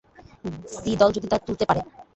C দল যদি তা তুলতে পারে।